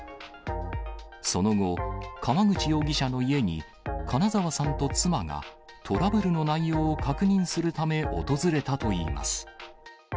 その後、川口容疑者の家に、金沢さんと妻がトラブルの内容を確認するため訪れたといいます。